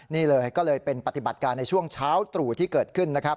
นี่เลยก็เลยเป็นปฏิบัติการในช่วงเช้าตรู่ที่เกิดขึ้นนะครับ